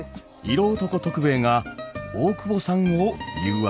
色男徳兵衛が大久保さんを「誘惑」します。